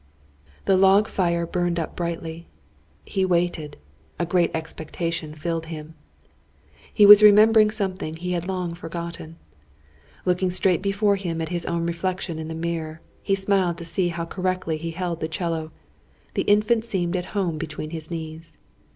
The log fire burned up brightly. He waited. A great expectation filled him. He was remembering something he had long forgotten. Looking straight before him at his own reflection in the mirror, he smiled to see how correctly he held the 'cello. The Infant seemed at home between his knees.